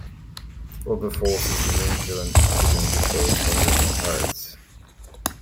Wilberforce is the main villain of Gideon Defoe's novel The Pirates!